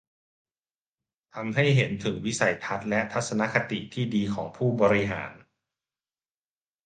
ทำให้เห็นถึงวิสัยทัศน์และทัศนคติที่ดีของผู้บริหาร